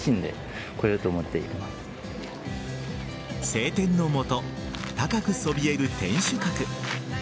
晴天の下、高くそびえる天守閣。